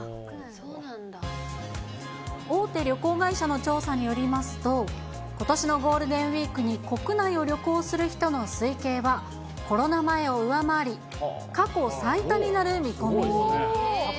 大手旅行会社の調査によりますと、ことしのゴールデンウィークに国内を旅行する人の推計は、コロナ前を上回り、過去最多になる見込みに。